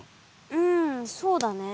うんそうだね。